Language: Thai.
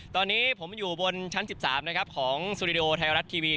ตอนนี้ผมอยู่บนชั้น๑๓ของสวีดีโอไทยรัตท์ทีวี